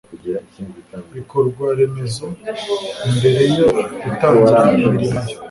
bikorwaremezo mbere yo gutangira imirimo Ayo